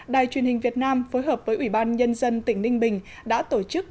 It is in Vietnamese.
đài truyền hình việt nam phối hợp với ủy ban nhân dân tỉnh ninh bình đã tổ chức